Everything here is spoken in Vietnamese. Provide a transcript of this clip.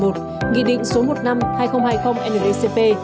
nghị định số một năm hai nghìn hai mươi naacp